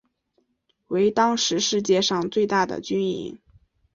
为当时世界上最大的军营。